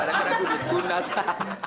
padahal abu disunat hahaha